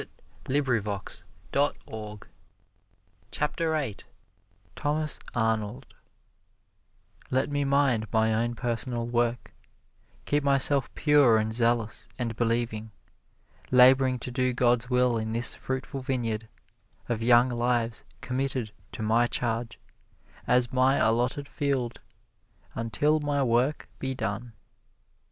[Illustration: THOMAS ARNOLD] THOMAS ARNOLD Let me mind my own personal work; keep myself pure and zealous and believing; laboring to do God's will in this fruitful vineyard of young lives committed to my charge, as my allotted field, until my work be done.